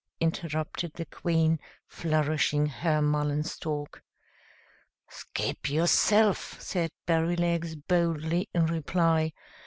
interrupted the Queen, flourishing her mullen stalk. "Skip, yourself!" said Berrylegs, boldly, in reply.